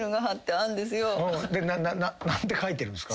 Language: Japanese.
何て書いてるんすか？